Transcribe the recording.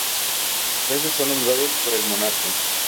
Los jueces son nombrados por el monarca.